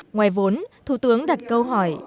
ngoài vốn thủ tướng đặt câu hỏi